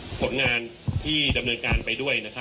คุณผู้ชมไปฟังผู้ว่ารัฐกาลจังหวัดเชียงรายแถลงตอนนี้ค่ะ